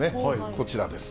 こちらです。